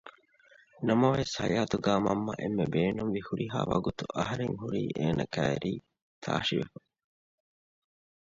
ނަމަވެސް ހަޔާތުގައި މަންމަ އެންމެ ބޭނުންވި ހުރިހާ ވަގުތު އަހަރެން ހުރީ އޭނަ ކައިރީ ތާށިވެފަ